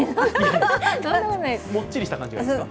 もっちりした感じがいいですか？